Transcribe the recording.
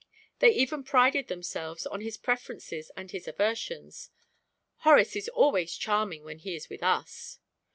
They even prided themselves on his preferences and his aversions. "Horace is always charming when he is with us."